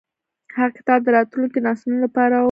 هغه کتاب د راتلونکو نسلونو لپاره و.